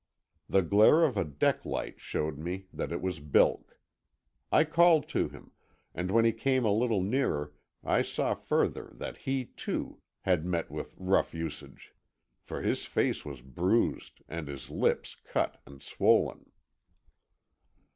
The glare of a deck light showed me that it was Bilk. I called to him, and when he came a little nearer I saw further that he, too, had met with rough usage; for his face was bruised and his lips cut and swollen.